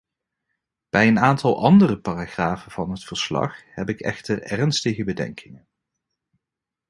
Bij een aantal andere paragrafen van het verslag heb ik echter ernstige bedenkingen.